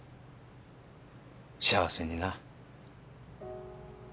幸せにな。